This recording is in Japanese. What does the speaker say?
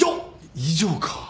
以上か。